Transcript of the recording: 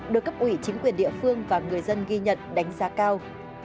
được cấp ủy chính quyền địa phương và người dân ghi nhận đánh giá cao